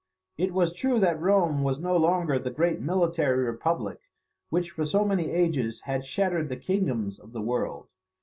It was true that Rome was no longer the great military republic which for so many ages had shattered the kingdoms of the world.